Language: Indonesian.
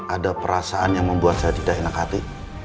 ada perasaan yang membuat saya tidak enak hati